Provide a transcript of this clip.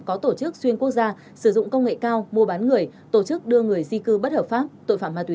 có tổ chức xuyên quốc gia sử dụng công nghệ cao mua bán người tổ chức đưa người di cư bất hợp pháp tội phạm ma túy